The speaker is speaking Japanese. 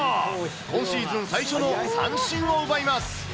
今シーズン最初の三振を奪います。